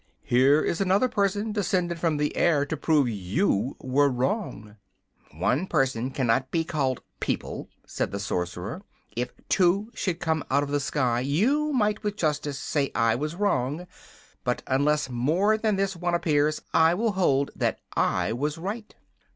"Here is another person descended from the air to prove you were wrong." "One person cannot be called 'people,'" said the Sorcerer. "If two should come out of the sky you might with justice say I was wrong; but unless more than this one appears I will hold that I was right."